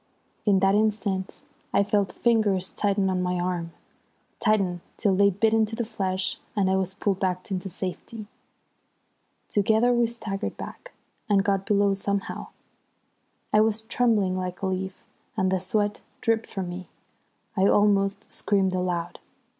In that instant I felt fingers tighten on my arm, tighten till they bit into the flesh, and I was pulled back into safety. Together we staggered back, and got below somehow. I was trembling like a leaf, and the sweat dripped from me. I almost screamed aloud.